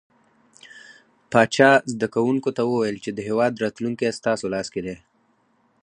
پاچا زده کوونکو ته وويل چې د هيواد راتلونکې ستاسو لاس کې ده .